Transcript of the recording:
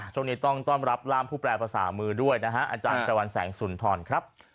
โชคดีต้อนรับร่ามผู้แปรภาษามือด้วยทรัพย์อาจารย์จัวร์แสงศูนย์ทอนครับ